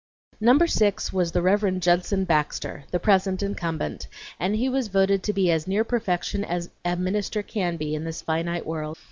Number six was the Rev. Judson Baxter, the present incumbent; and he was voted to be as near perfection as a minister can be in this finite world.